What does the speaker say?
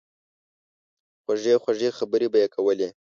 خوږې خوږې خبرې به ئې کولې